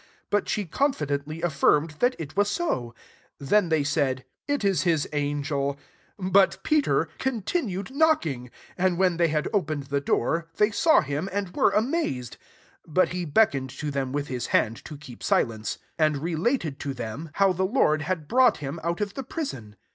But she confidently a^rmed that it was ao. 16 Then they said, " It is his angeL" • But Peter continued knocking. And when they had opened the doi&ry they saw him, and were amaxcid* 17 But he beckoned to then with his hand to keep silence; and related to them how lie • Or, ineiKng«r. N.